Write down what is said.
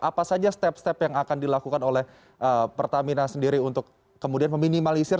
apa saja step step yang akan dilakukan oleh pertamina sendiri untuk kemudian meminimalisir